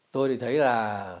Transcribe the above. tôi thì thấy là